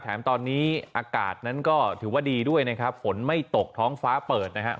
ตอนนี้อากาศนั้นก็ถือว่าดีด้วยนะครับฝนไม่ตกท้องฟ้าเปิดนะครับ